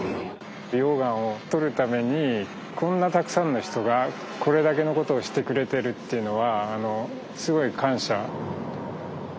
溶岩を採るためにこんなたくさんの人がこれだけのことをしてくれてるっていうのはすごい感謝。